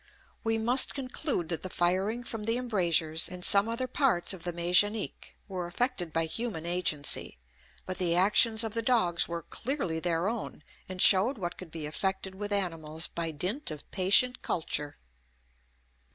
We must conclude that the firing from the embrasures, and some other parts of the méchanique, were effected by human agency; but the actions of the dogs were clearly their own, and showed what could be effected with animals by dint of patient culture.